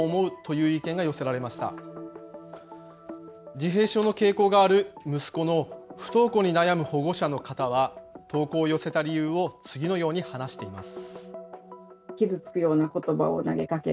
自閉症の傾向がある息子の不登校に悩む保護者の方は投稿を寄せた理由を次のように話しています。